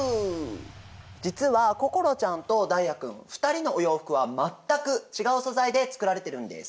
実は心ちゃんと太哉君２人のお洋服は全く違う素材で作られてるんです。